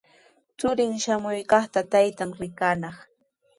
Churin shamuykaqta taytan rikanaq.